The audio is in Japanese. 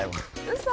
嘘！